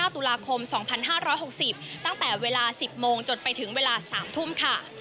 ตุลาคม๒๕๖๐ตั้งแต่เวลา๑๐โมงจนไปถึงเวลา๓ทุ่มค่ะ